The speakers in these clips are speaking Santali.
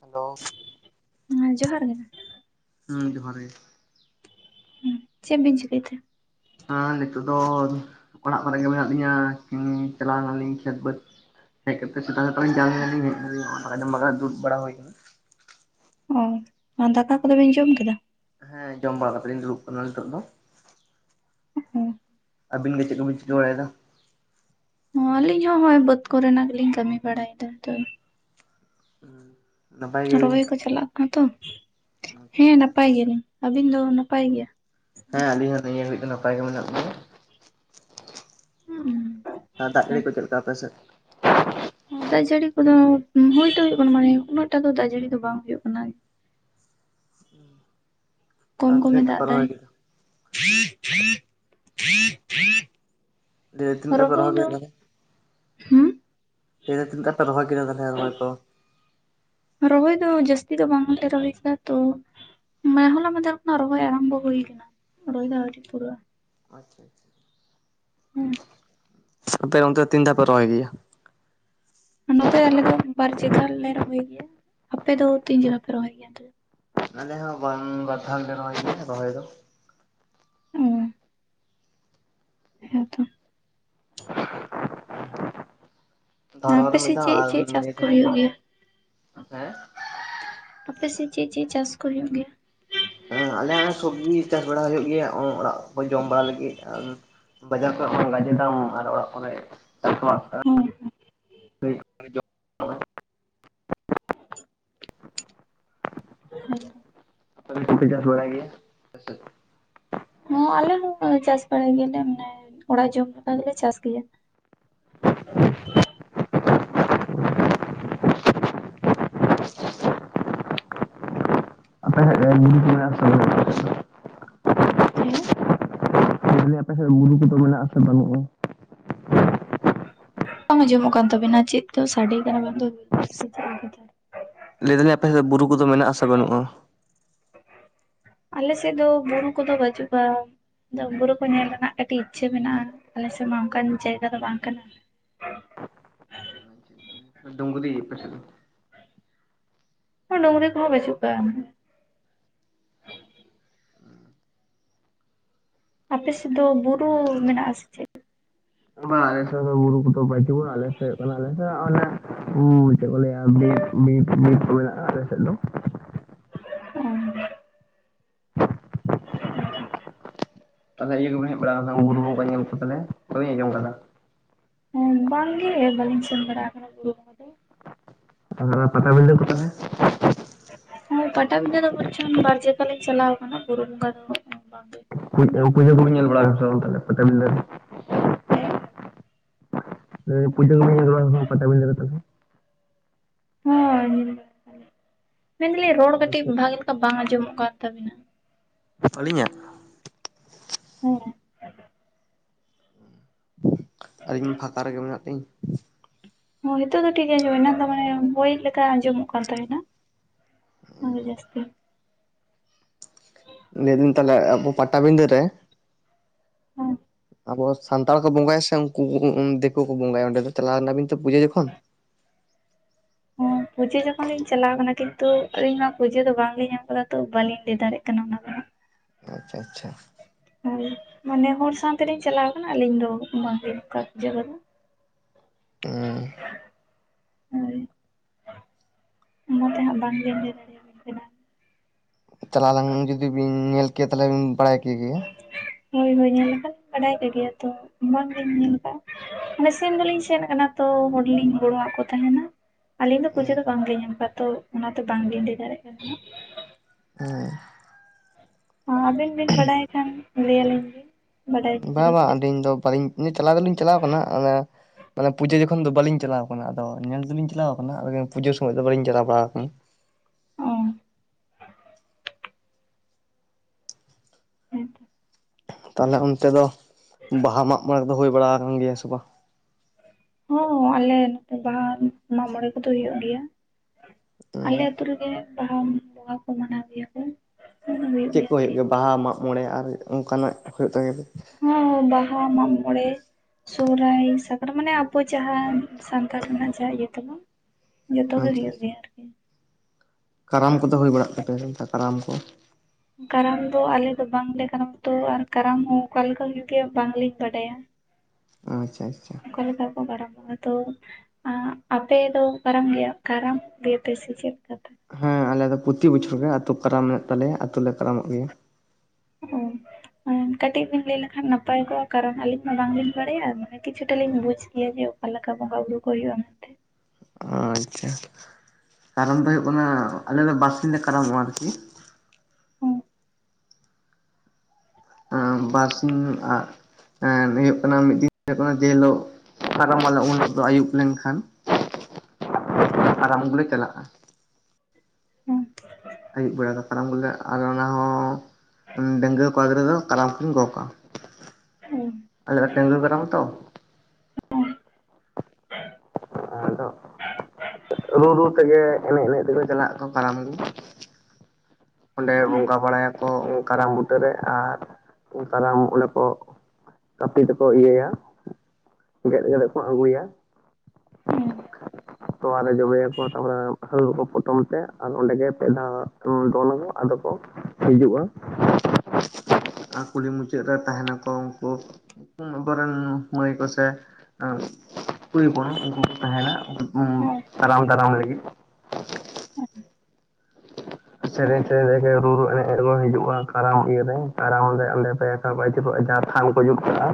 ᱦᱮᱞᱳ! ᱦᱮᱸ ᱡᱚᱦᱟᱨ ᱜᱮ ᱾ ᱦᱩᱸ ᱡᱚᱦᱟᱨ ᱜᱮ ᱾ ᱪᱮᱜ ᱵᱤᱱ ᱪᱤᱠᱟᱭᱮᱫ ᱛᱮ? ᱦᱮᱸ ᱱᱤᱛᱚᱜ ᱫᱚ ᱚᱲᱟᱜ ᱠᱚᱨᱮᱜ ᱜᱮ ᱢᱮᱱᱟᱜ ᱞᱤᱧᱟ ᱮᱢᱱᱤ ᱪᱟᱞᱟᱣ ᱞᱮᱱᱟᱞᱤᱧ ᱠᱷᱮᱛ ᱵᱟᱹᱫᱽ ᱦᱮᱡ ᱠᱟᱛᱮ ᱥᱮᱛᱟᱜ ᱥᱮᱛᱟᱜ ᱠᱟᱢᱤᱭᱟ ᱞᱤᱧ ᱦᱮᱡ ᱠᱟᱛᱮᱜ ᱫᱟᱠᱟ ᱡᱚᱢ ᱵᱟᱜᱟ ᱫᱩᱬᱩᱵ ᱵᱟᱲᱟ ᱦᱩᱭ ᱠᱟᱱᱟ ᱾ ᱚ, ᱟᱨ ᱫᱟᱠᱟ ᱠᱚᱫᱚᱵᱤᱱ ᱡᱚᱢ ᱠᱮᱫᱟ? ᱦᱮᱸ ᱡᱚᱢ ᱵᱟᱲᱟ ᱠᱟᱛᱮᱞᱤᱧ ᱫᱩᱲᱩᱵ ᱠᱟᱱᱟ ᱱᱤᱛᱚᱜ ᱫᱚ ᱾ ᱟᱵᱤᱱ ᱜᱮ ᱪᱮᱫ ᱠᱚᱵᱤᱱ ᱪᱤᱠᱟᱹ ᱵᱟᱲᱟᱭᱮᱫᱟ? ᱚᱸ ᱟᱹᱞᱤᱧ ᱦᱚᱸ ᱦᱳᱭ ᱵᱟᱹᱫᱽ ᱠᱚᱨᱮᱱᱟᱜ ᱜᱮᱞᱤᱧ ᱠᱟᱹᱢᱤ ᱵᱟᱲᱟᱫᱟ ᱛᱚ ᱩᱸ ᱨᱚᱦᱚᱭ ᱠᱚ ᱪᱟᱞᱟᱜ ᱠᱟᱱᱟ ᱛᱚ, ᱟᱪᱪᱷᱟ ᱦᱮᱸ ᱟᱪᱪᱷᱟ ᱱᱟᱯᱟᱭ ᱜᱮᱭᱟᱞᱤᱧ ᱟᱹᱵᱤᱱ ᱫᱚ ᱱᱟᱯᱟᱭ ᱜᱮᱭᱟ? ᱦᱮᱸ ᱟᱹᱞᱤᱧ ᱦᱚᱸ ᱱᱤᱭᱟᱹ ᱦᱟᱹᱵᱤᱡ ᱫᱚ ᱱᱟᱯᱟᱭ ᱜᱮ ᱢᱮᱱᱟᱜ ᱞᱤᱧᱟᱹ ᱾ ᱟᱨ ᱫᱟᱜ ᱡᱟᱹᱲᱤ ᱠᱚ ᱪᱮᱜ ᱞᱮᱠᱟ ᱟᱯᱮ ᱥᱮᱜ? [inaudible] ᱫᱟᱜ ᱡᱟᱹᱲᱤ ᱠᱚᱫᱚ ᱦᱩᱭ ᱛᱚ ᱦᱩᱭᱩᱜ ᱠᱟᱱᱟ, ᱢᱟᱱᱮ ᱩᱱᱟᱹᱜᱴᱟ ᱫᱚ ᱫᱟᱜ ᱡᱟᱹᱲᱤ ᱫᱚ ᱵᱟᱝ ᱦᱩᱭᱩᱜ ᱠᱟᱱᱟ ᱾ ᱠᱚᱢ ᱟᱨ ᱠᱚᱢᱮ ᱛᱤᱱᱟᱹᱜ ᱴᱟ ᱫᱟᱜ ᱯᱮ ᱫᱟᱭ ᱨᱚᱦᱚᱭ ᱾ ᱠᱮᱫᱟ ᱛᱤᱱᱟᱹᱜ [inaudible] ᱴᱟ ᱯᱮ ᱨᱚᱦᱚᱭ ᱫᱚ ᱠᱮᱫᱟ ᱦᱩᱸ ᱛᱮᱦᱮ ᱛᱤᱟᱹᱜᱴᱟ ᱯᱮ ᱨᱚᱦᱚᱭ ᱠᱮᱫᱟ ᱛᱟᱞᱦᱮ ᱨᱚᱦᱚᱭ ᱠᱚ? ᱨᱚᱦᱚᱭ ᱫᱚ ᱡᱟᱹᱥᱛᱤ ᱫᱚ ᱵᱟᱝᱞᱮ ᱨᱚᱦᱚᱭ ᱠᱟᱫᱟ ᱛᱚ ᱾ ᱦᱚᱞᱟ ᱢᱟᱫᱜᱮᱨ ᱠᱷᱚᱱᱟᱜ ᱨᱚᱦᱚᱭ ᱟᱨᱟᱢᱵᱚ ᱦᱩᱭ ᱠᱟᱱᱟ ᱨᱚᱦᱚᱭ ᱫᱚ ᱟᱹᱣᱨᱤ ᱯᱩᱨᱟᱹᱜᱼᱟ ᱾ ᱟᱪᱪᱷᱟ ᱟᱪᱪᱷᱟ ᱾ ᱦᱩᱸ᱾ ᱟᱯᱮ ᱚᱱᱛᱮ ᱫᱚ ᱛᱤᱱ ᱫᱷᱟ ᱯᱮ ᱨᱚᱦᱚᱭ ᱜᱮᱭᱟ? ᱱᱚᱛᱮ ᱟᱞᱮ ᱫᱚ ᱵᱟᱨ ᱡᱟᱭᱜᱟ ᱞᱮ ᱨᱚᱦᱚᱭ ᱜᱮᱭᱟ ᱾ ᱟᱯᱮ ᱫᱚ ᱛᱤᱱ ᱡᱟᱜᱟ ᱯᱮ ᱨᱚᱦᱚᱭ ᱜᱮᱭᱟ ᱚᱱᱛᱮ ᱫᱚ? ᱟᱞᱮ ᱦᱚᱸ ᱵᱟᱝ ᱵᱟᱨ ᱫᱷᱟᱣ ᱜᱮ ᱞᱮ ᱨᱚᱦᱚᱭ ᱜᱮᱭᱟ ᱨᱚᱦᱚᱭ ᱫᱚ ᱾ ᱚᱻ ᱦᱮᱸᱛᱚ, ᱫᱷᱚᱨᱚᱱ ᱨᱮ ᱟᱯᱮ ᱢᱤᱫ ᱥᱮᱫ ᱫᱷᱟᱣ ᱪᱮᱫ ᱟᱨ ᱪᱮᱫ ᱪᱟᱥ ᱠᱚ ᱦᱩᱭᱩᱜ ᱜᱮᱭᱟ [unintelligible] ᱦᱮᱸ ᱟᱯᱮ ᱥᱮᱜ ᱪᱮᱜ ᱪᱮᱜ ᱪᱟᱥ ᱠᱚ ᱦᱩᱭᱩᱜ ᱜᱮᱭᱟ? ᱦᱮᱸ ᱟᱞᱮᱭᱟᱜ ᱥᱚᱵᱽᱡᱤ ᱪᱟᱥ ᱵᱟᱲᱟ ᱦᱳᱭᱳᱜ ᱜᱮᱭᱟ ᱚᱝ ᱚᱲᱟᱜ ᱠᱚ ᱡᱚᱢ ᱵᱟᱲᱟ ᱞᱟᱹᱜᱤᱫ, ᱟᱨ ᱵᱟᱡᱟᱨ ᱠᱟᱨᱮᱜ ᱢᱟ ᱜᱟᱡᱮ ᱫᱟᱢ ᱟᱨ ᱚᱲᱟᱜ ᱠᱚᱨᱮ [unintelligible] ᱾ ᱦᱮᱸ ᱦᱩ᱾ ᱟᱯᱮ ᱫᱚ ᱪᱮᱜ ᱯᱮ ᱪᱟᱥ ᱵᱟᱲᱟᱭ ᱜᱮᱭᱟ? [unintelligible] ᱦᱚᱸ ᱟᱞᱮ ᱦᱚᱸ ᱪᱟᱥ ᱵᱟᱲᱟᱭ ᱜᱮᱭᱟᱞᱮ, ᱢᱟᱱᱮ ᱚᱲᱟᱜ ᱡᱚᱢ ᱞᱮᱠᱟ ᱜᱮᱞᱮ ᱪᱟᱥ ᱜᱮᱭᱟ ᱾ [inaudible] ᱟᱯᱮ ᱥᱮᱜ ᱵᱩᱨᱩ ᱠᱚ ᱢᱮᱱᱟᱜᱼᱟ ᱥᱮ ᱵᱟᱹᱱᱩᱜᱼᱟ ᱟᱯᱮ ᱥᱮᱜ ᱫᱚ? ᱦᱮᱸ᱾ ᱞᱮᱫᱟᱹᱞᱤᱧ ᱟᱯᱮ ᱥᱮᱜ ᱵᱩᱨᱩ ᱠᱚᱫᱚ ᱢᱮᱱᱟᱜᱼᱟ ᱥᱮ ᱵᱟᱹᱱᱩᱜᱼᱟ? ᱵᱟᱝ ᱟᱸᱡᱚᱢᱚᱜ ᱠᱟᱱ ᱛᱟᱹᱵᱤᱱᱟ ᱪᱮᱫ ᱫᱚ ᱥᱟᱰᱮ ᱠᱟᱱᱟ ᱵᱟᱝ ᱫᱚ [unintelligible] ᱾ ᱞᱮ ᱫᱟᱹᱞᱤᱧ ᱟᱯᱮ ᱥᱮᱜ ᱵᱩᱨᱩ ᱠᱚᱫᱚ ᱢᱮᱱᱟᱜᱼᱟ ᱥᱮ ᱵᱟᱹᱱᱩᱜᱼᱟ? ᱟᱞᱮ ᱥᱮᱫ ᱫᱚ ᱵᱩᱨᱩ ᱠᱚᱫᱚ ᱵᱟᱹᱪᱩᱜᱼᱟ ᱾ ᱟᱫᱚ ᱵᱩᱨᱩ ᱠᱚ ᱧᱮᱞ ᱨᱮᱱᱟᱜ ᱠᱟᱹᱴᱤᱡ ᱤᱪᱪᱷᱟᱹ ᱢᱮᱱᱟᱜᱼᱟ ᱟᱞᱮᱥᱮᱜ ᱢᱟ ᱚᱱᱠᱟᱱ ᱡᱟᱭᱜᱟ ᱫᱚ ᱵᱟᱝ ᱠᱟᱱᱟ ᱾ ᱰᱩᱝᱨᱤ ᱟᱯᱮ ᱥᱮᱫ ᱫᱚ? ᱰᱩᱝᱨᱤ ᱠᱚᱦᱚᱸ ᱵᱟᱹᱪᱩᱜ ᱠᱟᱜᱼᱟ ᱾ ᱟᱯᱮ ᱥᱮᱫ ᱫᱚ ᱵᱩᱨᱩ ᱢᱮᱱᱟᱜᱼᱟ ᱥᱮ ᱪᱮᱫ? ᱵᱟ ᱟᱞᱮ ᱥᱮᱜ ᱫᱚ ᱵᱩᱨᱩ ᱠᱚᱫᱚ ᱵᱟᱹᱪᱩᱜᱼᱟ ᱟᱞᱮ ᱥᱮᱜ ᱠᱟᱱᱟ ᱟᱞᱮ ᱥᱮ ᱚᱱᱮ ᱦᱩᱸ ᱪᱮᱜ ᱠᱚ ᱞᱮᱭᱟ ᱵᱤ-ᱵᱤᱨ ᱠᱚ ᱢᱮᱱᱟᱜᱼᱟ ᱟᱞᱮ ᱥᱮᱫ ᱫᱚ ᱾ ᱚᱸ, [inaudible] ᱟᱪᱪᱷᱟ ᱟᱪᱪᱷᱟ ᱾ ᱛᱟᱦᱞᱮ ᱤᱭᱟᱹ ᱠᱚᱵᱮᱱ ᱦᱮᱡ ᱵᱟᱲᱟᱣ ᱠᱟᱱᱟ ᱵᱩᱨᱩ ᱵᱚᱸᱜᱟ ᱧᱮᱞ ᱠᱚ ᱛᱟᱞᱮ ᱵᱟᱹᱵᱤᱱ ᱟᱸᱡᱚᱢ ᱠᱟᱫᱟ? ᱵᱟᱝ ᱜᱮ ᱵᱟᱹᱞᱤᱧ ᱥᱮᱱ ᱵᱟᱲᱟ ᱠᱟᱱᱟ ᱾ ᱟ ᱯᱟᱛᱟ ᱵᱤᱸᱫᱟᱹ ᱠᱚᱯᱮ ᱥᱮ ᱦᱚᱸ ᱯᱟᱴᱟᱵᱤᱸᱫᱟᱹ ᱫᱚ ᱵᱚᱨᱪᱚᱱ ᱵᱟᱨ ᱡᱟᱠᱟᱞᱤᱧ ᱪᱟᱞᱟᱣ ᱠᱟᱱᱟ, ᱵᱩᱨᱩ ᱵᱚᱸᱜᱟ ᱫᱚ ᱵᱟᱝᱜᱮ᱾ [unintelligible] ᱠᱚ ᱵᱤᱱ ᱧᱮᱞ ᱵᱟᱲᱟ ᱠᱟᱫᱟ ᱥᱮ ᱵᱟᱝ ᱛᱟᱞᱮ ᱯᱟᱛᱟᱵᱤᱸᱫᱟᱹ ᱦᱮᱸ ᱯᱩᱡᱟᱹ ᱠᱚ ᱯᱟᱛᱟ [unintelligible] ᱵᱤᱰᱟᱹᱨᱮ ᱛᱟᱠᱚ ᱦᱳᱭ ᱢᱮᱱᱫᱟᱞᱤᱧ ᱨᱚᱲ ᱠᱟᱹᱴᱤᱡ ᱵᱷᱟᱜᱤ ᱞᱮᱠᱟ ᱵᱟᱝ ᱟᱸᱡᱚᱢᱚᱜ ᱠᱟᱱ ᱛᱟᱹᱵᱤᱱᱟ᱾ ᱟᱹᱞᱤᱧᱟᱜ? ᱦᱮᱸ ᱟᱨ ᱤᱧ ᱯᱷᱟᱸᱠᱟ ᱨᱮᱜᱮ ᱢᱮᱱᱟᱜ ᱛᱤᱧ᱾ ᱱᱤᱛᱳᱜ ᱫᱚ ᱴᱷᱤᱠᱜᱮ ᱟᱸᱡᱚᱢᱱᱟ ᱮᱱᱟᱝ ᱫᱚ ᱢᱟᱱᱮ ᱵᱳ ᱞᱮᱠᱟ ᱟᱸᱡᱚᱢᱚᱜ ᱠᱟᱱ ᱛᱟᱦᱮᱱᱟ᱾ ᱦᱚᱭ ᱡᱟᱹᱥᱛᱤ ᱞᱮᱭᱫᱟᱹᱧ ᱛᱟᱦᱟᱞᱮ ᱟᱵᱚ ᱯᱟᱴᱟᱵᱤᱸᱫᱟᱹ ᱨᱮ ᱦᱚᱸ ᱟᱵᱚ ᱥᱟᱱᱛᱟᱲ ᱠᱚ ᱵᱚᱸᱜᱟᱭᱟ ᱥᱮ ᱩᱱᱠᱩ ᱫᱤᱠᱳ ᱠᱚ ᱵᱚᱸᱜᱟᱭᱟ ᱚᱸᱰᱮ ᱫᱚ ᱪᱟᱞᱟᱣ ᱞᱮ ᱱᱟᱵᱤᱱ ᱛᱚ ᱯᱩᱡᱟᱹ ᱡᱚᱠᱷᱚᱱ ᱦᱚᱸ ᱯᱩᱡᱟᱹ ᱡᱚᱠᱷᱚᱱ ᱞᱤᱧ ᱪᱟᱞᱟᱣ ᱟᱠᱟᱱᱟ ᱠᱤᱱᱛᱩ ᱟᱹᱞᱤᱧᱢᱟ ᱯᱩᱡᱟᱹ ᱫᱚ ᱵᱟᱝᱞᱤᱧ ᱮᱢ ᱟᱠᱟᱫᱟ ᱛᱚ ᱵᱟᱞᱤᱧ ᱞᱮᱭ ᱫᱟᱲᱮᱭᱟᱜ ᱠᱟᱱᱟ ᱚᱱᱟ ᱫᱚ ᱦᱟᱸᱜ᱾ ᱟᱪᱪᱷᱟ ᱟᱪᱪᱷᱟ᱾ ᱟᱨ ᱢᱟᱱᱮ ᱦᱚᱲ ᱥᱟᱶᱛᱮᱞᱤᱧ ᱪᱟᱞᱟᱣ ᱟᱠᱟᱱᱟ ᱟᱹᱞᱤᱧ ᱫᱚ ᱵᱷᱟᱜᱮ ᱚᱱᱠᱟ ᱡᱟᱭᱜᱟ ᱫᱚ ᱩᱸ ᱦᱳᱭ ᱚᱱᱟ ᱛᱮᱦᱟᱸᱜ ᱵᱟᱝᱜᱮ ᱞᱤᱧ ᱪᱟᱞᱟᱣ ᱞᱟᱝ ᱡᱩᱫᱤ ᱵᱤᱱ ᱧᱮᱞ ᱠᱮᱭᱟ ᱛᱟᱦᱟᱞᱮ ᱵᱤᱱ ᱵᱟᱲᱟᱭ ᱠᱮᱜᱮᱭᱟ᱾ ᱦᱳᱭ ᱦᱳᱭ ᱧᱮᱞ ᱟᱠᱟᱫ ᱵᱟᱰᱟᱭ ᱜᱮᱭᱟ ᱛᱚ ᱚᱱᱟ ᱜᱤᱧ ᱧᱮᱞ ᱟᱠᱟᱫᱼᱟ᱾ ᱢᱮ ᱥᱮᱱ ᱫᱚᱞᱤᱧ ᱥᱮᱱ ᱟᱠᱟᱱᱟ ᱛᱚ ᱦᱚᱲᱞᱤᱧ ᱜᱚᱲᱚᱣᱟᱜ ᱠᱚ ᱛᱟᱦᱮᱱᱟ᱾ ᱟᱹᱞᱤᱧ ᱫᱚ ᱯᱩᱡᱟᱹ ᱦᱮᱸ ᱫᱚ ᱵᱟᱝᱞᱤᱧ ᱧᱟᱢ ᱟᱠᱟᱫ ᱛᱚ ᱚᱱᱟ ᱫᱚ ᱵᱟᱝᱞᱤᱧ ᱞᱮᱭ ᱫᱟᱲᱮᱭᱟᱜ ᱠᱟᱱ ᱛᱟᱦᱮᱱᱟ᱾ ᱚᱸ ᱟᱵᱤᱱ ᱵᱤᱱ ᱵᱟᱰᱟᱭ ᱠᱷᱟᱱ ᱞᱮ ᱟᱹᱞᱤᱧ ᱵᱮᱱ? ᱵᱟᱝ ᱵᱟᱝ ᱟᱹᱞᱤᱧ ᱫᱚ ᱵᱟᱹᱞᱤᱧ ᱪᱟᱞᱟᱣ ᱫᱚᱞᱤᱧ ᱪᱟᱞᱟᱣ ᱠᱟᱱᱟ ᱚᱱᱮ ᱢᱟᱱᱮ ᱯᱩᱡᱟᱹ ᱡᱚᱠᱷᱚᱱ ᱫᱚ ᱵᱟᱹᱞᱤᱧ ᱪᱟᱞᱟᱣ ᱠᱟᱱᱟ ᱟᱫᱚ ᱧᱮᱞ ᱫᱚᱞᱤᱧ ᱪᱟᱞᱟᱣ ᱟᱠᱟᱱᱟ ᱟᱫᱚ ᱯᱩᱡᱟᱹ ᱥᱚᱢᱚᱭ ᱫᱚ ᱵᱟᱞᱤᱧ ᱪᱟᱞᱟᱣ ᱵᱟᱲᱟ ᱟᱠᱟᱱᱟ᱾ ᱚ᱾ ᱦᱮᱸ ᱛᱟᱦᱟᱞᱮ ᱚᱱᱛᱮ ᱫᱚ, ᱵᱟᱦᱟ ᱢᱟᱜ ᱢᱚᱬᱮ ᱫᱚ ᱦᱩᱭ ᱵᱟᱲᱟ ᱟᱠᱟᱱ ᱜᱮᱭᱟ ᱥᱮ ᱵᱟᱝ? ᱦᱚᱸ ᱟᱞᱮ ᱱᱚᱛᱮ ᱵᱟᱦᱟ ᱢᱟᱜ ᱢᱚᱬᱮ ᱠᱚᱫᱚ ᱦᱩᱭᱩᱜ ᱜᱮᱭᱟ᱾ ᱟᱞᱮ ᱟᱹᱛᱩ ᱨᱮᱜᱮ ᱵᱟᱦᱟ ᱵᱚᱸᱜᱟ ᱠᱚ ᱢᱟᱱᱟᱣ ᱜᱮᱭᱟ ᱠᱚ᱾ ᱪᱮᱫ ᱠᱚ ᱦᱩᱭᱩᱜ ᱜᱮᱭᱟ ᱵᱟᱦᱟ ᱢᱟᱜ ᱢᱚᱬᱮ ᱟᱨ ᱚᱱᱠᱟᱱᱟᱜ ᱦᱳᱭᱳᱜ ᱛᱮᱜᱮ ᱦᱚᱸ ᱵᱟᱦᱟ ᱢᱟᱜ ᱢᱚᱬᱮ, ᱥᱚᱦᱚᱨᱟᱭ ᱥᱟᱠᱨᱟᱛ ᱢᱟᱱᱮ ᱟᱵᱚ ᱡᱟᱦᱟᱸ ᱥᱟᱱᱛᱟᱲ ᱨᱮᱱᱟᱜ ᱡᱟᱦᱟᱸ ᱤᱭᱟᱹ ᱛᱟᱵᱚ ᱡᱚᱛ ᱜᱮ ᱟᱪᱪᱷᱟ ᱦᱩᱭᱩᱜ ᱟᱪᱪᱷᱟ ᱜᱮᱭᱟ᱾ ᱠᱟᱨᱟᱢ ᱠᱚᱫᱚ ᱦᱩᱭ ᱵᱟᱲᱟᱜ ᱛᱟᱯᱮᱭᱟ ᱠᱟᱨᱟᱢ ᱠᱚ ᱠᱟᱨᱟᱢ ᱫᱚ ᱟᱞᱮ ᱫᱚ ᱵᱟᱝᱞᱮ ᱠᱟᱨᱟᱢ ᱛᱚ ᱟᱨ ᱠᱟᱨᱟᱢ ᱦᱚᱸ ᱚᱠᱟᱮᱠᱟ ᱦᱩᱭᱩᱜ ᱜᱮᱭᱟ ᱵᱟᱝᱞᱤᱧ᱾ ᱟᱪᱪᱷᱟ ᱟᱪᱪᱷᱟ᱾ ᱚᱠᱟ ᱞᱮᱠᱟ ᱠᱚ ᱠᱟᱨᱚᱢ ᱠᱚ ᱠᱚᱜ-ᱟ ᱛᱚ᱾ ᱟᱸ ᱟᱯᱮ ᱫᱚ ᱠᱟᱨᱟᱢ ᱜᱮᱭᱟ ᱠᱟᱨᱟᱢ ᱜᱮᱯᱮ ᱥᱮᱪᱮᱫ ᱠᱟᱛᱟ ᱦᱮᱸ ᱟᱞᱮ ᱫᱚ ᱯᱚᱛᱤ ᱵᱚᱪᱷᱚᱨ ᱜᱮ ᱟᱛᱳ ᱠᱟᱨᱟᱢ ᱮ ᱛᱟᱞᱮᱭᱟ ᱟᱛᱳ ᱞᱮ ᱠᱟᱨᱟᱢᱚᱜ ᱜᱮᱭᱟ᱾ ᱚ᱾ ᱠᱟᱹᱴᱤᱡ ᱵᱮᱤᱱ ᱞᱮᱭ ᱞᱮᱠᱷᱟᱱ ᱱᱟᱯᱟᱭ ᱠᱚᱜᱼᱟ ᱠᱟᱨᱚᱱ ᱱᱟᱜ ᱟᱞᱤᱧ ᱢᱟ ᱵᱟᱝᱞᱤᱧ ᱵᱟᱲᱟᱭᱟ ᱢᱟᱱᱮ ᱠᱤᱪᱷᱩᱴᱟ ᱞᱤᱧ ᱵᱩᱡ ᱠᱮᱭᱟ ᱡᱮ, ᱟ ᱞᱮᱠᱟ ᱵᱚᱸᱜᱟ ᱵᱩᱨᱩ ᱠᱚ ᱦᱩᱭᱩᱜ-ᱟ ᱢᱮᱱᱛᱮ᱾ ᱚᱸ ᱟᱪᱪᱷᱟ᱾ ᱠᱟᱨᱚᱱ ᱫᱚ ᱦᱩᱭᱩᱜ ᱠᱟᱱᱟ ᱟᱞᱮ ᱫᱚ ᱵᱟᱨᱥᱤᱧ ᱞᱮ ᱠᱟᱨᱟᱢᱚᱜᱼᱟ ᱟᱨᱠᱤ᱾ ᱟᱸ ᱵᱟᱨᱥᱤᱧ ᱟᱸᱜ ᱮᱸ ᱦᱩᱭᱩᱜ ᱠᱟᱱᱟ ᱢᱤᱫ ᱫᱤᱱ ᱫᱚ ᱦᱩᱭᱩᱜ ᱠᱟᱱᱟ ᱡᱮ ᱦᱤᱞᱳᱜ ᱠᱟᱨᱟᱢ ᱟᱞᱮ ᱩᱱ ᱫᱚ ᱟᱹᱭᱩᱵ ᱞᱮᱱᱠᱷᱟᱱ ᱠᱟᱨᱟᱢ ᱟᱜᱩ ᱞᱮ ᱪᱟᱞᱟᱜᱼᱟ᱾ ᱦᱩᱸ᱾ ᱟᱹᱭᱩᱵ ᱵᱮᱲᱟ ᱫᱚ ᱠᱟᱨᱟᱢ ᱟᱹᱜᱩᱞᱮ ᱟᱨ ᱚᱱᱟ ᱦᱚᱸ ᱰᱟᱝᱜᱩᱣ ᱠᱚᱲᱟ ᱜᱤᱫᱽᱨᱟᱹ ᱫᱚ ᱠᱟᱨᱟᱢ ᱠᱤᱱ ᱜᱚᱜ-ᱟ᱾ ᱟᱞᱮ-ᱟᱜ ᱰᱟᱺᱜᱣᱟᱹ ᱠᱟᱨᱟᱢ ᱛᱚ᱾ ᱟᱫᱚ ᱨᱩ ᱨᱩ ᱛᱮᱜᱮ ᱮᱱᱮᱡ ᱮᱱᱮᱡ ᱛᱮᱠᱚ ᱪᱟᱞᱟᱜ ᱟᱠᱚ ᱠᱟᱨᱟᱢ ᱟᱜᱩ᱾ ᱚᱸᱰᱮ ᱵᱚᱸᱜᱟ ᱵᱟᱲᱟᱭᱟᱠᱚ ᱠᱟᱨᱟᱢ ᱵᱩᱴᱟᱹᱨᱮ ᱟᱨ ᱠᱟᱨᱟᱢ ᱚᱸᱰᱮ ᱠᱚ ᱠᱟᱹᱯᱤ ᱛᱮᱠᱚ ᱤᱭᱟᱹᱭᱟ᱾ ᱜᱮᱫ ᱠᱟᱛᱮ ᱠᱚ ᱟᱹᱜᱩᱭᱟ᱾ ᱛᱚᱣᱟᱨᱮ ᱡᱚᱵᱮᱭᱟ ᱠᱚ ᱛᱟᱯᱚᱨᱮ ᱦᱟᱹᱲ ᱠᱚ ᱯᱚᱴᱚᱢ ᱛᱮ ᱟᱨ ᱚᱸᱰᱮ ᱜᱮ ᱯᱮ ᱫᱷᱟᱣ ᱫᱚᱱᱟ ᱠᱚ ᱟᱫᱚ ᱠᱚ ᱦᱤᱡᱩᱜᱼᱟ ᱟᱨ ᱠᱩᱞᱦᱤ ᱢᱩᱪᱟᱹᱫ ᱨᱮ ᱛᱟᱦᱮ ᱱᱟᱠᱚ ᱩᱱᱠᱩ ᱦᱩᱸ ᱟᱵᱚᱨᱮᱱ ᱢᱟᱹᱭ ᱠᱚᱥᱮ ᱮᱸᱜ ᱠᱩᱲᱤ ᱦᱚᱯᱚᱱ ᱩᱱᱠᱩ ᱠᱚ ᱛᱟᱦᱮᱱᱟ᱾ ᱦᱩᱸ ᱫᱟᱨᱟᱢ ᱫᱟᱨᱟᱢ ᱞᱟᱹᱜᱤᱫ᱾ ᱥᱮᱨᱮᱧ ᱥᱮᱨᱮᱧ ᱨᱮ ᱨᱩᱨᱩ ᱮᱱᱮᱡ ᱨᱮᱠᱚ ᱦᱤᱡᱩᱜᱼᱟ ᱠᱟᱨᱟᱢ ᱤᱭᱟᱹ ᱨᱮ ᱠᱟᱨᱟᱢ ᱚᱸᱰᱮ ᱯᱮ ᱡᱟᱦᱟᱸ ᱵᱟᱭ ‌ᱪᱤᱯᱟᱜ-ᱟ ᱡᱟᱦᱟᱸ ᱯᱷᱟᱨᱢ ᱠᱚ ᱡᱩᱛ ᱠᱟᱜᱼᱟ᱾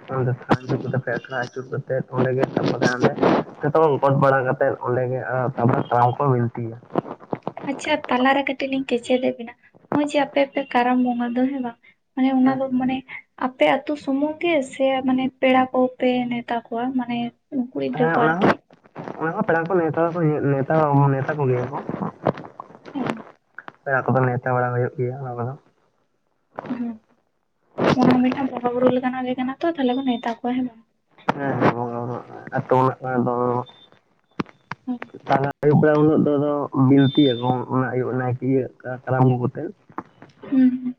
[unintelligible] ᱠᱟᱛᱮ ᱟᱠᱷᱲᱟ ᱟᱹᱪᱩᱨ ᱠᱟᱛᱮᱫ ᱚᱸᱰᱮ ᱜᱮ [inaudible] ᱡᱚᱛᱚ ᱵᱟᱝ ᱜᱚᱴ ᱵᱟᱲᱟ ᱠᱟᱛᱮᱫ ᱚᱸᱰᱮ ᱜᱮ ᱟ ᱛᱟᱨᱯᱚᱨ ᱠᱟᱨᱟᱢ ᱠᱚ ᱵᱤᱱᱛᱤᱭᱟ᱾ ᱟᱪᱪᱷᱟ ᱛᱟᱞᱟᱨᱮ ᱠᱟᱹᱴᱤᱡ ᱞᱤᱧ ᱠᱮᱪᱮᱫᱮᱜ ᱵᱮᱤᱱᱟ ᱱᱚᱜᱼᱚᱭ ᱡᱮ ᱟᱯᱮᱯᱮ ᱠᱟᱨᱟᱢ ᱵᱚᱸᱜᱟ ᱫᱚ ᱦᱮᱸ ᱵᱟᱝ᱾ ᱢᱟᱱᱮ ᱚᱱᱟ ᱦᱮᱸ ᱫᱚ ᱢᱟᱱᱮ ᱟᱯᱮ ᱟᱹᱛᱩᱳ ᱥᱩᱢᱩᱝ ᱜᱮ ᱥᱮ ᱢᱟᱱᱮ ᱯᱮᱲᱟ ᱠᱚᱯᱮ ᱱᱮᱣᱛᱟ ᱠᱚᱣᱟ᱾ ᱢᱟᱱᱮ ᱠᱩᱲᱤ ᱜᱤᱫᱽᱨᱟᱹ ᱦᱮᱸ ᱠᱚ ᱚᱱᱟ ᱟᱨᱠᱤ ᱦᱚᱸ ᱚᱱᱟᱦᱚᱸ ᱯᱮᱲᱟ ᱠᱚ ᱱᱮᱛᱟ ᱫᱚᱠᱚ ᱱᱮᱣᱛᱟ ᱱᱮᱣᱛᱟ ᱠᱚᱜᱮᱭᱟ ᱠᱚ᱾ ᱚ᱾ ᱯᱮᱲᱟ ᱠᱚᱫᱚ ᱱᱮᱶᱛᱟ ᱵᱟᱲᱟ ᱦᱩᱭᱩᱜ ᱜᱮᱭᱟ ᱚᱱᱟ ᱠᱚᱫᱚ᱾ ᱦᱮᱸ᱾ ᱚᱱᱟ ᱦᱚᱸ ᱢᱤᱫᱴᱟᱝ ᱵᱚᱸᱜᱟᱵᱩᱨᱩ ᱞᱮᱠᱟᱱᱟᱜ ᱜᱮ ᱠᱟᱱᱟ ᱛᱚ ᱛᱟᱦᱚᱞᱮ ᱱᱮᱣᱛᱟ ᱠᱚᱣᱟ ᱦᱮᱸ ᱵᱟᱝ᱾ ᱦᱮᱸ ᱵᱚᱸᱜᱟ ᱵᱩᱨᱩᱣᱟᱜ ᱟᱛᱩᱢ ᱨᱮᱱᱲᱜ ᱦᱩᱸ ᱠᱟᱱᱟ ᱛᱚ ᱛᱟᱦᱚᱞᱮ ᱯᱮᱲᱟ ᱩᱱᱦᱤᱞᱳᱜ ᱫᱚ ᱟᱫᱚ ᱵᱤᱱᱛᱤᱭᱟᱠᱚ ᱚᱱᱟ ᱟᱭᱩᱵ ᱱᱟᱭᱠᱮ ᱤᱭᱟᱹ ᱠᱟᱨᱟᱢ ᱟᱵᱩ ᱠᱟᱛᱮ᱾ ᱦᱩᱸ ᱦᱩᱸ᱾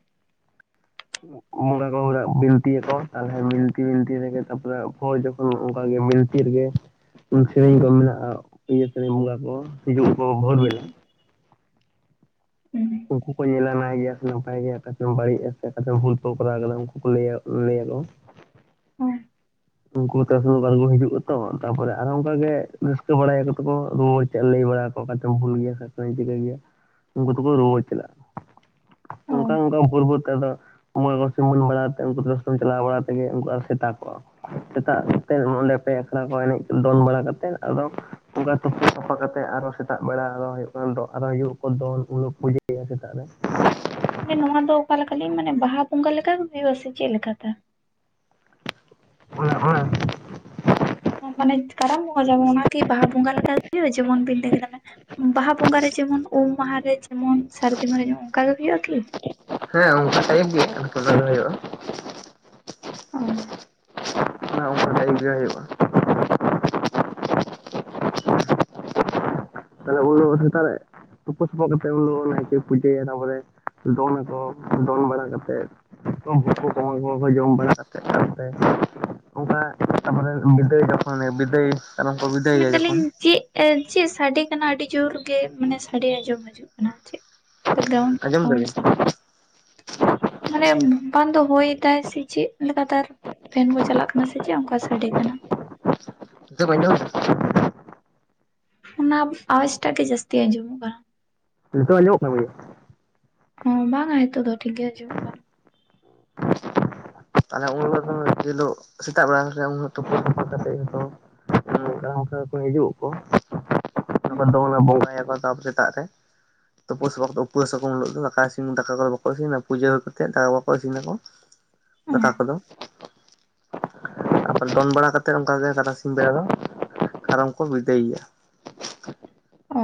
ᱵᱚᱸᱜᱟ ᱠᱚ ᱦᱲᱟᱜ ᱵᱤᱱᱛᱤᱭᱟᱠᱚ ᱛᱟᱦᱚᱞᱮ ᱵᱤᱱᱛᱤ ᱵᱤᱱᱛᱤ ᱛᱮᱜᱮ ᱛᱟᱨᱯᱚᱨᱮ ᱵᱷᱳᱡ ᱚᱱ ᱚᱱᱠᱟᱜ ᱜᱮ ᱵᱤᱱᱛᱤ ᱨᱮᱜᱮ ᱥᱮᱨᱮᱧ ᱠᱚ ᱢᱮᱱᱟᱜᱼᱟ ᱤᱭᱟᱹ ᱥᱮᱨᱮᱧ ᱵᱚᱸᱜᱟ ᱠᱚ᱾ ᱦᱤᱡᱩᱜ ᱟᱠᱚ ᱵᱷᱳᱨ ᱦᱩᱸ ᱵᱮᱞᱟ᱾ ᱦᱩᱸ ᱩᱱᱠᱩ ᱠᱚ ᱧᱮᱞᱞᱟ ᱱᱟᱭ ᱜᱮᱭᱟ ᱥᱮ ᱱᱟᱯᱟᱭ ᱜᱮᱭᱟ ᱚᱠᱟᱛᱮᱢ ᱵᱟᱹᱲᱤᱡᱼᱟ ᱥᱮ ᱚᱠᱟᱛᱮᱢ ᱵᱷᱩᱞ ᱠᱚ ᱠᱚᱨᱟᱣ ᱟᱠᱟᱫᱟ ᱩᱱᱠᱩ ᱠᱚ ᱞᱟᱹᱭᱟ ᱞᱟᱹᱭᱟᱠᱚ᱾ ᱦᱮᱸ᱾ ᱩᱱᱠᱩ ᱦᱟ ᱛᱟ ᱥᱚᱢᱚᱭ ᱴᱚ ᱟᱸᱲᱜᱚ ᱦᱤᱡᱩᱜᱼᱟᱛᱚ ᱛᱟᱯᱮ ᱟᱨᱦᱚ ᱚᱱᱠᱟ ᱜᱮ ᱨᱟᱹᱥᱠᱟᱹ ᱵᱟᱲᱟᱭᱟᱠᱚ ᱛᱚᱠᱚ ᱨᱩᱣᱟᱹᱲ ᱪᱮᱫ ᱞᱟᱹᱭ ᱵᱟᱲᱟᱭᱟᱠᱚ ᱚᱠᱟ ᱴᱷᱮᱱ ᱵᱷᱩᱞ ᱜᱮᱭᱟ ᱥᱮ ᱚᱠᱚᱭᱮ ᱪᱤᱠᱟᱹ ᱜᱮᱭᱟ, ᱩᱱᱠᱩ ᱫᱚᱠᱚ ᱨᱩᱣᱟᱹᱲ ᱪᱟᱞᱟᱜᱼᱟ᱾ ᱚ ᱚᱱᱠᱟ ᱚᱱᱠᱟ ᱵᱷᱳᱨ ᱵᱷᱳᱨ ᱛᱮ ᱟᱫᱚ ᱵᱚᱸᱜᱟ ᱠᱚ ᱥᱤᱢᱟᱹᱱ ᱵᱟᱲᱟ ᱛᱮ ᱩᱱᱠᱩ ᱫᱚᱠᱚ ᱥᱮᱱ ᱪᱟᱞᱟᱣ ᱵᱟᱲᱟ ᱛᱮᱜᱮ ᱩᱱᱠᱩᱣᱟᱜ ᱥᱮᱛᱟᱜ ᱠᱚᱜᱼᱟ᱾ ᱥᱮᱛᱟᱜ ᱠᱟᱛᱮᱫ ᱱᱚᱸᱰᱮ ᱯᱮ ᱟᱠᱷᱲᱟ ᱠᱚ ᱮᱱᱮᱡ ᱫᱚᱱ ᱵᱟᱲᱟ ᱠᱟᱛᱮᱫ ᱟᱫᱚ ᱚᱝᱠᱟ ᱛᱩᱯᱩ ᱥᱟᱯᱷᱟ ᱠᱟᱛᱮᱫ ᱟᱨᱚ ᱥᱮᱛᱟᱜ ᱵᱮᱲᱟ ᱟᱨᱚ ᱦᱩᱭᱩᱜ ᱠᱷᱟᱱ ᱫᱚ ᱟᱨᱚ ᱦᱤᱡᱩᱜᱼᱟ ᱠᱚ ᱫᱚᱱ ᱩᱱᱦᱤᱞᱳᱜ ᱯᱩᱡᱟᱹᱭ ᱜᱮᱭᱟ ᱥᱮᱛᱟᱜ ᱨᱮ᱾ ᱢᱟᱱᱮ ᱱᱚᱣᱟ ᱫᱚ ᱚᱠᱟ ᱞᱮᱠᱟᱞᱤᱧ ᱢᱟᱱᱮ ᱵᱟᱦᱟ ᱵᱚᱸᱜᱟ ᱞᱮᱠᱟ ᱦᱩᱭᱩᱜ-ᱟ ᱥᱮ ᱪᱮᱫ ᱞᱮᱠᱟ ᱛᱮ? ᱦᱳᱭ᱾ ᱢᱟᱱᱮ ᱠᱟᱨᱟᱢ ᱵᱚᱸᱜᱟ ᱡᱟᱵ ᱚᱱᱟᱠᱤ ᱵᱟᱦᱟ ᱵᱚᱸᱜᱟ ᱞᱮᱠᱟ ᱦᱩᱭᱩᱜ-ᱟ ᱡᱮᱢᱚᱱ ᱵᱤᱱ ᱞᱟᱹᱭ ᱠᱮᱫᱟ ᱚᱱᱮ ᱵᱟᱦᱟ ᱵᱚᱸᱜᱟ ᱨᱮ ᱡᱮᱢᱚᱱ ᱩᱢ ᱢᱟᱦᱟ ᱨᱮ ᱡᱮᱢᱚᱱ ᱥᱟᱹᱨᱫᱤ ᱢᱟᱦᱟ ᱨᱮ ᱡᱮᱢᱚᱱ ᱚᱱᱠᱟᱜ ᱜᱮ ᱦᱩᱭᱩᱜᱼᱟ ᱠᱤ? ᱦᱮᱸ ᱚᱱᱠᱟ ᱴᱟᱭᱤᱯ ᱜᱮ ᱚᱱᱠᱟ ᱠᱫᱚ ᱟᱫᱚ ᱦᱩᱭᱩᱜᱼᱟ᱾ ᱚ᱾ ᱚᱱᱟ ᱚᱱᱠᱟ ᱴᱟᱭᱤᱯ ᱜᱮ ᱦᱩᱭᱩᱜᱼᱟ᱾ ᱛᱟᱦᱞᱮ [inaudible] ᱥᱮᱛᱟᱜ ᱨᱮ ᱛᱩᱯᱟᱹ ᱥᱟᱯᱷᱟ ᱠᱟᱛᱮᱫ ᱩᱱ ᱫᱚ ᱱᱟᱭᱠᱮ ᱯᱩᱡᱟᱹᱭᱟᱭ ᱛᱟᱯᱚᱨᱮ ᱫᱚᱱᱟᱠᱚ ᱫᱚᱱ ᱵᱟᱲᱟ ᱠᱟᱛᱮᱫ [inaudible] ᱡᱚᱢ ᱵᱟᱲᱟ ᱠᱟᱛᱮᱫ [inaudible] ᱚᱱᱠᱟ ᱛᱟᱯᱨᱮ ᱵᱤᱫᱟᱹᱭ ᱡᱚᱠᱷᱚᱱᱮ ᱵᱤᱫᱟᱹᱭ ᱾ ᱢᱮᱱᱫᱟᱞᱤᱧ ᱪᱮᱫ ᱪᱮᱫ ᱥᱟᱰᱮ ᱠᱟᱱᱟ ᱟᱹᱰᱤ ᱡᱳᱨ ᱜᱮ ᱢᱟᱱᱮ ᱥᱟᱰᱮ ᱟᱸᱡᱚᱢ ᱦᱤᱡᱩᱜ ᱠᱟᱱᱟ ᱪᱮᱫ ᱾ ᱵᱮᱠᱜᱨᱟᱣᱱᱰ ᱨᱮᱱᱟᱜ ᱟᱸᱡᱚᱢ ᱥᱟᱸᱣᱱ ᱫᱟᱵᱤᱱ ᱥᱮ ᱢᱟᱱᱮ ᱵᱟᱝ ᱫᱚ ᱦᱳᱭᱫᱟᱭ ᱥᱮ ᱪᱮᱫ ᱞᱮᱠᱟ ᱛᱟᱨ ᱾ ᱯᱷᱮᱱ ᱠᱚ ᱪᱟᱞᱟᱜ ᱠᱟᱱᱟ ᱥᱮ ᱪᱮᱫ ᱚᱱᱠᱟ ᱥᱟᱰᱮ ᱠᱟᱱᱟ ᱾ ᱱᱤᱛᱚᱜ ᱵᱤᱱ ᱟᱸᱡᱚᱢ ᱫᱟ? ᱚᱱᱟ ᱟᱣᱟᱡᱽᱴᱟᱜ ᱜᱮ ᱡᱟᱹᱥᱛᱤ ᱟᱸᱡᱚᱢᱚᱜ ᱠᱟᱱᱟ ᱾ ᱱᱤᱛᱚᱜ ᱟᱡᱚᱢᱚᱜ ᱠᱟᱱ ᱜᱮᱭᱟ? ᱦᱚᱸ ᱵᱟᱝ-ᱟ ᱱᱤᱛᱚᱜ ᱫᱚ ᱴᱷᱤᱠ ᱜᱮ ᱟᱡᱚᱢᱚᱜ ᱠᱟᱱᱟ ᱾ ᱛᱟᱦᱞᱮ ᱩᱱ ᱦᱤᱞᱳᱜ ᱫᱚ ᱡᱮ ᱦᱤᱞᱳᱜ ᱥᱮᱛᱟᱜ ᱵᱮᱲᱟ ᱦᱮᱸᱥᱮ ᱩᱱ ᱦᱤᱞᱳᱜ ᱛᱩᱯᱩ ᱥᱟᱯᱷᱟ ᱠᱟᱛᱮ ᱤᱧᱫᱚ ᱚᱱᱠᱟ ᱚᱱᱠᱟ ᱠᱚ ᱦᱤᱡᱩᱜ ᱟᱠᱚ ᱛᱟᱯᱚᱨᱮ ᱫᱚ ᱚᱱᱟ ᱵᱚᱸᱜᱟᱭᱟᱠᱚ ᱛᱟᱯᱚᱨᱮ ᱫᱟᱜ ᱨᱮ ᱛᱩᱯᱩ ᱥᱟᱯᱷᱟ ᱠᱟᱛᱮ ᱩᱯᱟᱹᱥ ᱟᱠᱚ ᱩᱱ ᱦᱤᱞᱳᱜ ᱫᱚ ᱫᱟᱠᱟ ᱤᱥᱤᱱ ᱫᱟᱠᱟ ᱫᱚ ᱵᱟᱠᱚ ᱤᱥᱤᱱᱟ ᱯᱩᱡᱟᱹ ᱦᱩᱭ ᱠᱟᱛᱮ ᱫᱟᱠᱟ ᱠᱚᱠᱚ ᱤᱥᱤᱱ ᱟᱠᱚ ᱫᱟᱠᱟ ᱠᱚᱫᱚ᱾ ᱟᱫᱚ ᱫᱚᱱ ᱵᱟᱲᱟ ᱠᱟᱛᱮ ᱚᱱᱠᱟ ᱜᱮ ᱛᱟᱨᱟᱥᱤᱧ ᱵᱮᱲᱟ ᱫᱚ ᱠᱟᱨᱟᱢ ᱠᱚ ᱵᱤᱫᱟ. ᱭᱮᱭᱟ᱾ ᱚ ᱾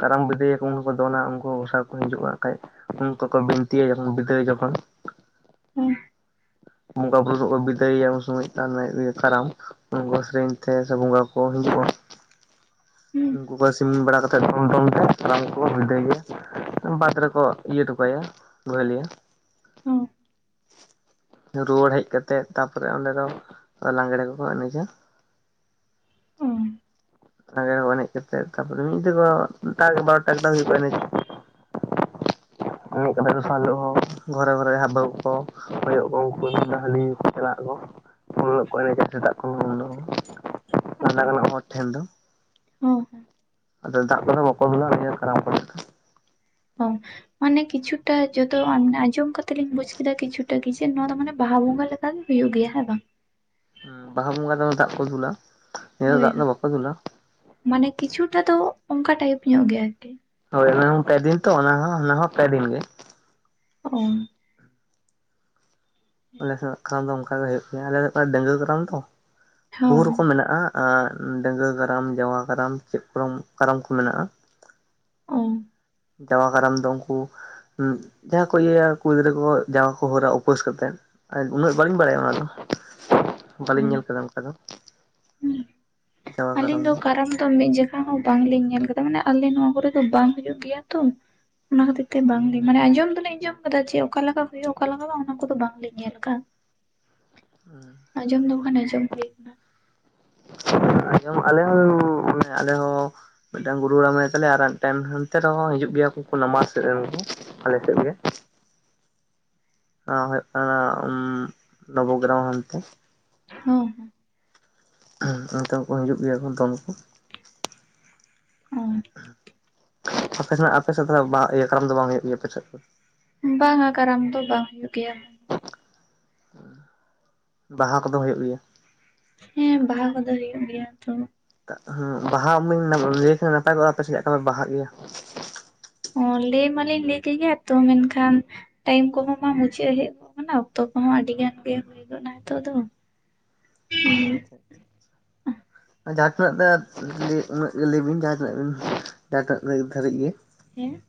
ᱠᱟᱨᱟᱢ ᱵᱤᱫᱟᱹᱭ ᱟᱠᱚ ᱩᱱᱠᱩ ᱠᱚ ᱫᱚᱱᱟ ᱩᱱᱠᱚ ᱜᱚᱸᱥᱟᱭ ᱠᱚ ᱦᱤᱡᱩᱜ-ᱟ ᱦᱟᱸᱜ ᱠᱷᱟᱡ᱾ ᱩᱱᱠᱩ ᱠᱚ ᱵᱤᱱᱛᱤᱭᱟ ᱡᱚᱠᱷᱚᱱ ᱵᱤᱫᱟᱹᱭ ᱡᱚᱠᱷᱚᱱ᱾ ᱦᱩᱸ ᱾ ᱵᱚᱸᱜᱟ ᱵᱩᱨᱩ [inaudible] ᱵᱤᱫᱟᱹᱭᱮᱭᱟ ᱩᱱ ᱥᱚᱢᱚᱭ [inaudible] ᱠᱟᱨᱟᱢ ᱩᱱᱠᱩ ᱥᱮᱨᱮᱧ ᱛᱮ ᱥᱮ ᱵᱚᱸᱜᱟ ᱠᱚ ᱦᱤᱡᱩᱜ-ᱟ ᱩᱱᱠᱩ ᱵᱟᱥ ᱩᱢ ᱵᱟᱲᱟ ᱠᱟᱛᱮ ᱫᱷᱚᱨᱚᱢ ᱛᱷᱟᱱ ᱴᱷᱮᱱ ᱥᱟᱱᱟᱢ ᱠᱚᱠᱚ ᱵᱤᱫᱟᱹᱭᱮᱭᱟ ᱵᱟᱸᱫᱽ ᱨᱮᱠᱚ ᱤᱭᱟᱹ ᱦᱚᱴᱚ ᱠᱟᱭᱟ ᱵᱚᱦᱮᱞᱮᱭᱟ ᱾ ᱦᱩᱸ ᱾ ᱨᱩᱣᱟᱹᱲ ᱦᱮᱡ ᱠᱟᱛᱮ ᱛᱟᱯᱚᱨᱮ ᱚᱸᱰᱮ ᱫᱚ ᱞᱟᱸᱜᱽᱲᱮ ᱠᱚᱠᱚ ᱮᱱᱮᱡᱽᱼᱟ ᱾ ᱞᱟᱜᱽᱲᱮ ᱠᱚ ᱮᱱᱮᱡ ᱠᱟᱛᱮ ᱛᱟᱯᱚᱨᱮ ᱢᱤᱫ ᱫᱤᱫ ᱫᱚ ᱚᱱᱠᱟ ᱜᱮ ᱵᱟᱨᱚᱴᱟ ᱮᱠᱴᱟ ᱫᱷᱟᱹᱵᱤᱡ ᱠᱚ ᱮᱱᱮᱡᱟ᱾ ᱚᱱᱠᱟ ᱛᱮ ᱫᱚᱥᱟᱨ ᱦᱤᱞᱳᱜ ᱦᱚᱸ ᱜᱷᱚᱨᱮ ᱜᱷᱚᱨᱮ ᱡᱟᱸᱦᱟ ᱵᱟᱹᱦᱩ ᱠᱚ ᱦᱩᱭᱩᱜ-ᱟ ᱠᱚ ᱩᱱᱠᱩ ᱠᱷᱚᱱ ᱫᱚ [inaudible] ᱪᱟᱞᱟᱜ ᱟᱠᱚ᱾ ᱩᱱ ᱦᱤᱞᱳᱜ ᱠᱚ ᱮᱱᱮᱡᱟ ᱥᱮᱛᱟᱜ ᱠᱷᱚᱱ ᱩᱱᱫᱚ ᱞᱟᱸᱫᱟ ᱜᱟᱱᱚᱜ ᱦᱚᱲ ᱴᱷᱮᱱ ᱫᱚ ᱦᱩᱸ ᱾ ᱟᱫᱚ ᱫᱟᱜ ᱠᱚᱫᱚ ᱵᱟᱠᱚ ᱵᱮᱱᱟᱣ ᱜᱮᱭᱟ ᱠᱟᱨᱟᱢ ᱠᱚᱨᱮ ᱫᱚ᱾ ᱚ ᱢᱟᱱᱮ ᱠᱤᱪᱷᱩᱴᱟ ᱡᱚᱛᱚ ᱟᱸᱡ-ᱟᱸᱡᱚᱢ ᱠᱟᱛᱮ ᱞᱤᱧ ᱵᱩᱡ ᱠᱮᱫᱟ ᱠᱤᱪᱷᱩ ᱴᱟ ᱠᱤᱪᱷᱩ ᱱᱚᱣᱟ ᱫᱚ ᱢᱟᱱᱮ ᱵᱟᱦᱟ ᱵᱚᱸᱜᱟ ᱞᱮᱠᱟ ᱜᱮ ᱦᱩᱭᱩᱜ ᱜᱮᱭᱟ ᱦᱮᱸ ᱵᱟᱝ? ᱦᱩᱸ ᱵᱟᱦᱟ ᱵᱚᱸᱜᱟ ᱫᱚ ᱫᱟᱜ ᱠᱚ ᱫᱩᱞᱟ ᱱᱤᱭᱟᱹ ᱨᱮ ᱫᱚ ᱦᱳᱭ ᱫᱟᱜ ᱫᱚ ᱦᱳᱭ ᱵᱟᱠᱚ ᱫᱩᱞᱟ᱾ ᱢᱟᱱᱮ ᱠᱤᱪᱷᱩᱴᱟ ᱫᱚ ᱚᱱᱠᱟ ᱴᱟᱭᱤᱯ ᱧᱚᱜ ᱜᱮᱭᱟ ᱟᱨᱠᱤ᱾ ᱦᱳᱭ ᱚᱱᱟ ᱦᱚᱸ ᱯᱮ ᱫᱤᱱ ᱛᱚ ᱚᱱᱟ ᱦᱚᱸ ᱚᱱᱟ ᱦᱚᱸ ᱯᱮ ᱫᱤᱱ ᱜᱮ᱾ ᱚ ᱾ ᱟᱞᱮ ᱥᱮᱱᱟᱜ ᱠᱟᱨᱟᱢ ᱫᱚ ᱚᱱᱠᱟ ᱜᱮ ᱦᱩᱭᱩᱜ ᱜᱮᱭᱟ, ᱟᱞᱮ ᱥᱮᱫ ᱫᱚ ᱰᱟᱹᱝᱜᱩᱣᱟᱹ ᱠᱟᱨᱟᱢ ᱛᱚ ᱵᱚᱦᱩ ᱦᱚᱸ ᱨᱚᱠᱚᱢ ᱢᱮᱱᱟᱜ-ᱟ ᱟᱸᱜ ᱰᱟᱹᱝᱜᱩᱣᱟᱹ ᱠᱟᱨᱟᱢ ᱡᱟᱣᱟ ᱠᱟᱨᱟᱢ ᱪᱮᱫ ᱠᱚ ᱪᱚᱝ ᱠᱟᱨᱟᱢ ᱠᱚ ᱢᱮᱱᱟᱜ-ᱟ᱾ ᱚ ᱾ ᱡᱟᱣᱟ ᱠᱟᱨᱟᱢ ᱫᱚ ᱩᱱᱠᱩ ᱩᱸᱜ ᱡᱟᱦᱟᱸᱭ ᱠᱚ ᱤᱭᱟᱹᱭᱟ ᱠᱩᱲᱤ ᱜᱤᱫᱽᱨᱟᱹ ᱠᱚ ᱡᱟᱣᱟ ᱠᱚ ᱦᱟᱹᱨᱟ ᱩᱯᱟᱹᱥ ᱠᱟᱛᱮᱫ᱾ ᱟᱨ ᱩᱱᱟᱹᱜ ᱵᱟᱹᱞᱤᱧ ᱵᱟᱲᱟᱭᱟ ᱚᱱᱟ ᱫᱚ ᱚ ᱵᱟᱹᱞᱤᱧ ᱧᱮᱞ ᱠᱟᱫᱟ ᱚᱱᱠᱟ ᱫᱚ᱾ ᱦᱩᱸ ᱟᱹᱞᱤᱧ ᱫᱚ ᱠᱟᱨᱟᱢ ᱫᱚ ᱢᱤᱫ ᱡᱚᱠᱷᱟ ᱦᱚᱸ ᱵᱟᱝ ᱞᱤᱧ ᱧᱮᱞ ᱠᱟᱫᱟ ᱢᱟᱱᱮ ᱟᱞᱮ ᱱᱚᱣᱟ ᱠᱚᱨᱮ ᱫᱚ ᱵᱟᱝ ᱦᱩᱭᱩᱜ ᱜᱮᱭᱟ ᱛᱚ᱾ ᱚᱱᱟ ᱠᱷᱟᱹᱛᱤᱨ ᱛᱮ ᱵᱟᱝᱞᱤ ᱢᱟᱱᱮ ᱟᱸᱡᱚᱢ ᱫᱚᱞᱤᱧ ᱟᱸᱡᱚᱢ ᱠᱟᱫᱟ ᱡᱮ ᱚᱠᱟᱞᱮ ᱞᱮᱠᱟ ᱦᱩᱭᱩᱜ-ᱟ ᱚᱠᱟ ᱞᱮᱠᱟ ᱵᱟᱝ ᱚᱱᱟ ᱠᱚᱫᱚ ᱵᱟᱝ ᱞᱤᱧ ᱧᱮᱞ ᱠᱟᱜ-ᱟ᱾ [unintelligible] ᱦᱟᱸ ᱟᱸᱡᱚᱢ ᱫᱚ ᱵᱟᱠᱷᱟᱱ ᱟᱸᱡᱚᱢ ᱦᱩᱭ ᱠᱟᱱᱟ᱾ ᱟᱸᱡᱚᱢ ᱟᱸᱡᱚᱢ ᱟᱞᱮ ᱦᱚᱸ ᱢᱟᱱᱮ ᱟᱞᱮ ᱦᱚᱸ ᱢᱤᱫᱴᱟᱝ ᱜᱩᱨᱩ ᱦᱟᱲᱟᱢ ᱢᱮᱱᱟᱭ ᱛᱟᱞᱮᱭᱟ ᱟᱨ ᱢᱤᱫᱴᱮᱱ ᱦᱟᱱᱛᱮ ᱨᱮᱦᱚᱸ ᱦᱤᱡᱩᱜ ᱜᱮᱭᱟ ᱠᱚ ᱩᱱᱠᱩ ᱢᱟᱴᱺᱥᱮᱫ ᱨᱚᱦᱚᱸ ᱟᱞᱮ ᱴᱷᱮᱡ ᱜᱮ᱾ ᱟᱸ ᱦᱩᱭᱩᱜ ᱠᱟᱱᱟ ᱩᱸᱜ ᱱᱚᱵᱚᱜᱨᱟᱢ ᱦᱟᱱᱛᱮ᱾ ᱦᱮᱸ ᱦᱮᱸ ᱦᱮᱸ ᱚᱱᱛᱮ ᱦᱚᱸ ᱠᱚ ᱦᱤᱡᱩᱜ ᱜᱮᱭᱟ ᱠᱚ ᱫᱚᱱ ᱠᱩ᱾ [inaudible] ᱟᱯᱮ ᱥᱮᱱᱟᱜ ᱟᱯᱮ ᱥᱮᱫ ᱫᱚ ᱛᱟᱦᱞᱮ ᱵᱟᱦᱟ ᱤᱭᱟᱹ ᱠᱟᱨᱟᱢ ᱫᱚ ᱵᱟᱝ ᱦᱩᱭᱩᱜ ᱜᱮᱭᱟ ᱟᱯᱮ ᱥᱮᱫ ᱫᱚ? ᱵᱟᱝ-ᱟ ᱠᱟᱨᱟᱢ ᱫᱚ ᱵᱟᱝ ᱦᱩᱭᱩᱜ ᱜᱮᱭᱟ᱾ ᱵᱟᱦᱟ ᱠᱚᱫᱚ ᱦᱩᱭᱩᱜ ᱜᱮᱭᱟ? ᱦᱮᱸ ᱵᱟᱦᱟ ᱠᱚᱫᱚ ᱦᱩᱭᱩᱜ ᱜᱮᱭᱟ ᱛᱷᱚ᱾ ᱟ ᱦᱮᱸ ᱵᱟᱦᱟ ᱢᱟᱧ ᱞᱟᱹᱭ ᱠᱷᱟᱱ ᱱᱟᱯᱟᱭ ᱠᱚᱜ-ᱟ ᱟᱯᱮ ᱥᱮᱫ ᱞᱮᱠᱟᱯᱮ ᱵᱟᱦᱟᱜ ᱤᱭᱟᱹ ᱚ ᱞᱟᱹᱭ ᱢᱟᱞᱤᱧ ᱞᱟᱹᱭ ᱠᱮᱫ ᱜᱮᱭᱟ ᱛᱚ ᱢᱮᱱᱠᱷᱟᱱ ᱴᱟᱭᱤᱢ ᱠᱚᱦᱚᱸ ᱢᱟ ᱢᱩᱪᱟᱹᱫ ᱦᱮᱡ ᱠᱚᱜ ᱠᱟᱱᱟ ᱚᱠᱛᱚ ᱠᱚᱦᱚᱸ ᱟᱹᱰᱤ ᱜᱟᱱ ᱜᱮ ᱦᱩᱭᱼᱟ ᱱᱤᱛᱚᱜ ᱫᱚ᱾ [unintelligible] ᱟᱪᱪᱷᱟ ᱟᱪᱪᱷᱟ [inaudible] ᱟᱨ ᱡᱟᱦᱟᱸ ᱴᱤᱱᱟᱹᱜ ᱫᱚ ᱩᱱᱟᱹᱜ ᱞᱟᱹᱭ ᱵᱤᱱ ᱡᱟᱦᱟᱸ ᱵᱤᱱ ᱡᱟᱦᱟᱸ ᱴᱤᱱᱟ ᱫᱷᱟᱹᱨᱵᱤᱡ ᱜᱮ᱾ ᱦᱮᱸ ᱱᱚ